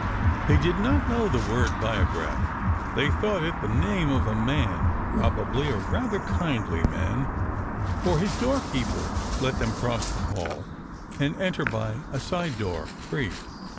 They did not know the word Biograph. They thought it the name of a man—probably a rather kindly man, for his doorkeeper let them cross the hall and enter by a side door, free.